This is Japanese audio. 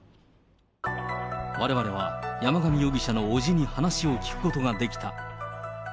われわれは、山上容疑者の伯父に話を聞くことができた。